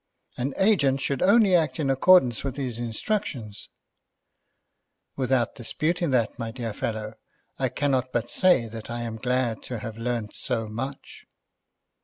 "An agent should only act in accordance with his instructions." "Without disputing that, my dear fellow, I cannot but say that I am glad to have learned so much."